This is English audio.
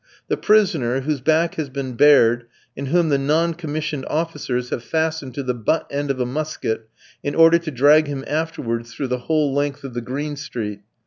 The prisoner, whose back has been bared, and whom the non commissioned officers have fastened to the butt end of a musket in order to drag him afterwards through the whole length of the "Green Street."